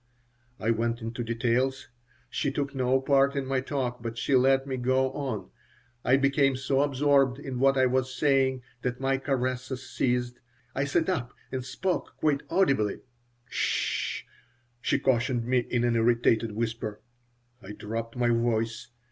I went into details. She took no part in my talk, but she let me go on. I became so absorbed in what I was saying that my caresses ceased. I sat up and spoke quite audibly "'S sh!" she cautioned me in an irritated whisper I dropped my voice.